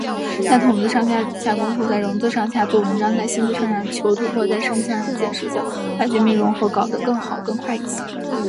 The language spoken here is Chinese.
在“统”字上下功夫，在“融”字上做文章，在“新”字上求突破，在“深”字上见实效，把军民融合搞得更好一些、更快一些。